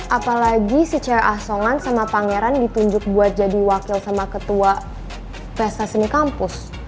apalagi secara asongan sama pangeran ditunjuk buat jadi wakil sama ketua pesta seni kampus